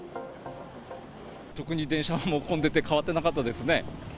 特に電車も混んでて、変わってなかったですね。